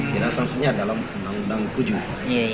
jelas sanksinya dalam undang undang tujuh